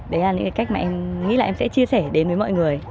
đấy là những cái cách mà em nghĩ là em sẽ chia sẻ đến với mọi người